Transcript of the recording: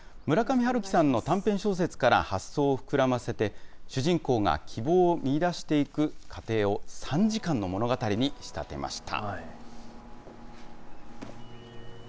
村上春樹さんの短編小説から発想を膨らませて、主人公が希望を見いだしていく過程を３時間の物語に仕立てました。